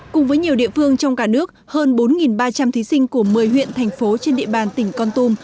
cùng với nhiều địa phương trong cả nước hơn bốn ba trăm linh thí sinh của một mươi huyện thành phố trên địa bàn tỉnh con tum